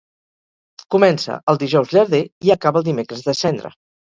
Comença el dijous llarder i acaba el dimecres de cendra.